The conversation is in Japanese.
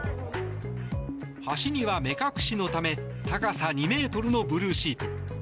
橋には目隠しのため高さ２ｍのブルーシート。